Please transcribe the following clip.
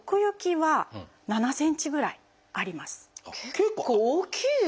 結構大きいです。